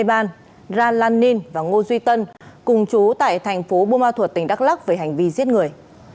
y simon eban ra lan ninh và ngô duy tân cùng chú tại thành phố bùa ma thuật tỉnh đắk lắc với hành vi giết người